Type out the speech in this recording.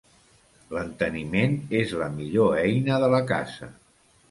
L'enteniment és la millor eina de la casa.